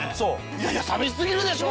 いやいや寂し過ぎるでしょ。